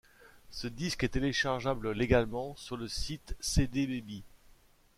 Ce disque est téléchargeable légalement sur le site cdbaby.